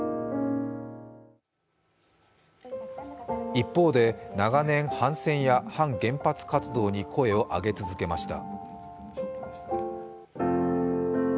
一方で、長年反戦や反原発活動に声を上げ続けました。